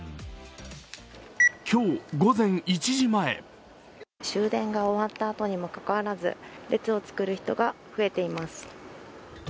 今日午前１時前終電が終わったあとにもかかわらず、列を作る人が増えています。